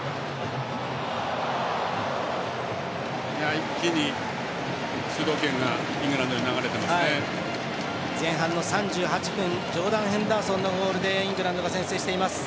一気に主導権がイングランドに流れていますね。